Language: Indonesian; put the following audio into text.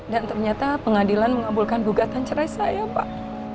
dan ternyata pengadilan mengabulkan bugatan cerai saya pak